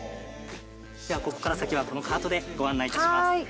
では、ここから先は、このカートでご案内いたします。